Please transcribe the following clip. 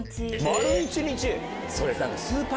丸一日！